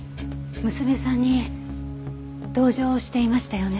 娘さんに同情をしていましたよね。